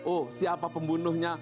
oh siapa pembunuhnya